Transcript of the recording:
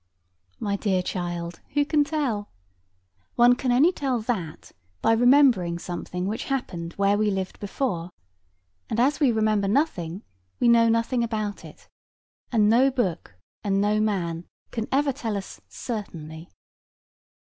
My dear child, who can tell? One can only tell that, by remembering something which happened where we lived before; and as we remember nothing, we know nothing about it; and no book, and no man, can ever tell us certainly.